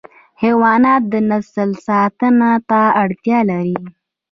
حیوانات د نسل ساتنه ته اړتیا لري.